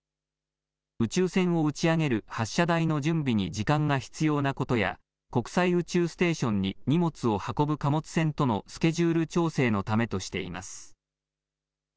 宇宙船を打ち上げる発射台の準備に時間が必要なことや国際宇宙ステーションに荷物を運ぶ貨物船とのスケジュール調整のためとしています。